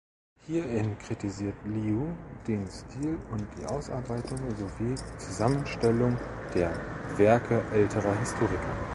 Hierin kritisiert Liu den Stil und die Ausarbeitung sowie Zusammenstellung der Werke älterer Historiker.